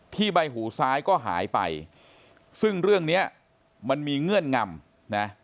ใบหูซ้ายก็หายไปซึ่งเรื่องเนี้ยมันมีเงื่อนงำนะ